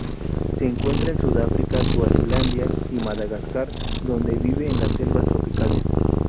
Se encuentra en Sudáfrica, Suazilandia y Madagascar, donde vive en las selvas tropicales.